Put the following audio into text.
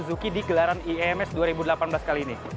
zuki di gelaran iems dua ribu delapan belas kali ini